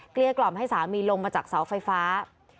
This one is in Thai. เรียกกล่อมให้สามีลงมาจากเสาไฟฟ้า